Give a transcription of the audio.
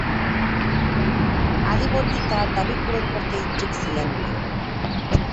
আলীবর্দী তার দাবি পূরণ করতে ইচ্ছুক ছিলেন না।